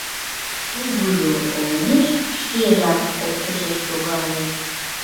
Кугыжо олмеш шкежак оптышеш логале...»